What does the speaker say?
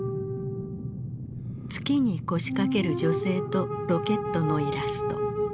月に腰掛ける女性とロケットのイラスト。